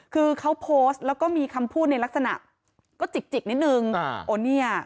คือเขาโพสต์แล้วก็มีคำพูดในลักษณะก็จิกจิกนิดนึงโอ้เนี่ย